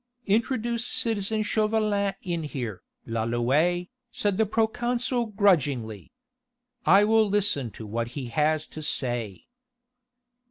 "Introduce citizen Chauvelin in here, Lalouët," said the proconsul grudgingly. "I will listen to what he has to say."